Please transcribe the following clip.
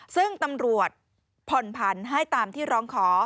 ซึ่งตำรวจผ่อนผันให้ตามที่ร้องขอ